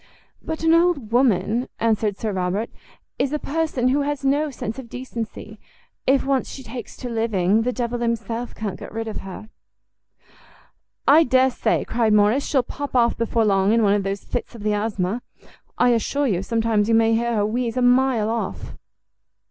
"But an old woman," answered Sir Robert, "is a person who has no sense of decency; if once she takes to living, the devil himself can't get rid of her." "I dare say," cried Morrice, "she'll pop off before long in one of those fits of the asthma. I assure you sometimes you may hear her wheeze a mile off."